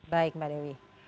baik mbak dewi